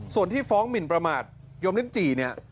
ส่วนที่ฟ้องหมิ่นประมาชโยมนิตจีนี่